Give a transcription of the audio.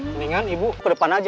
mendingan ibu ke depan aja